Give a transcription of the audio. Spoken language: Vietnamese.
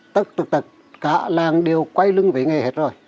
tất tự tật cả làng đều quay lưng về nghề hết rồi